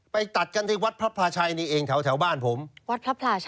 ไปตัดกันที่วัดพระพลาชัยนี่เองแถวแถวบ้านผมวัดพระพลาชัย